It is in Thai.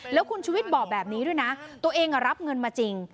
แล้วคุณชุวิตบอกแบบนี้ด้วยนะตัวเองรับเงินมาจริง